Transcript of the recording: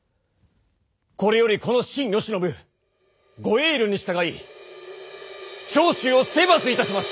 これよりこの臣慶喜ご叡慮に従い長州を征伐いたします！